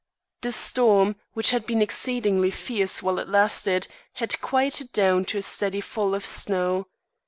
The storm, which had been exceedingly fierce while it lasted, had quieted down to a steady fall of snow.